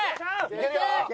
いけるよ！